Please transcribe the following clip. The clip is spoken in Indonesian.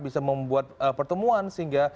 bisa membuat pertemuan sehingga